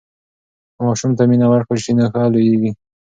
که ماشوم ته مینه ورکړل سي نو ښه لویېږي.